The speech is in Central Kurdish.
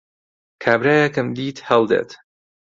کابرایەکم دیت هەڵدێت